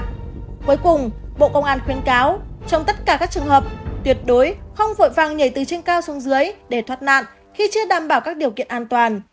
cuối cùng bộ công an khuyến cáo trong tất cả các trường hợp tuyệt đối không vội vàng nhảy từ trên cao xuống dưới để thoát nạn khi chưa đảm bảo các điều kiện an toàn